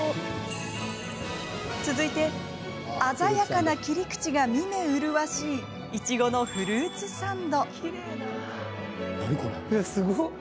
続いて、鮮やかな切り口が見目麗しいいちごのフルーツサンド。